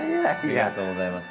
ありがとうございます。